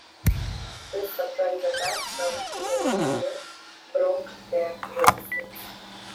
This surprise attack from the enemy rear broke their resistance.